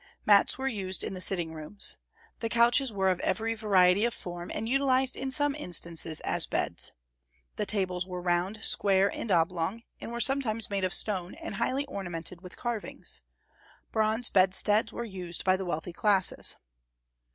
Mats were used in the sitting rooms. The couches were of every variety of form, and utilized in some instances as beds. The tables were round, square, and oblong, and were sometimes made of stone and highly ornamented with carvings. Bronze bedsteads were used by the wealthy classes.